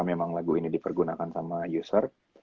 memang lagu ini dipergunakan sama user